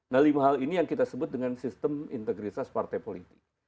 nah lima hal ini yang kita sebut dengan sistem integritas partai politik